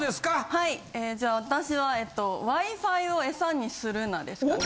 はいじゃあ私はえっとＷｉ−Ｆｉをエサにするなですかね。